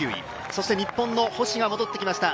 そして日本の星が戻ってきました。